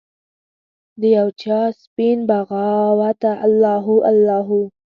د یوچا سپین بغاوته الله هو، الله هو